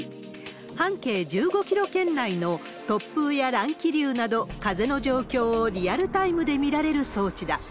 半径１５キロ圏内の突風や乱気流など、風の状況をリアルタイムで見られる装置だ。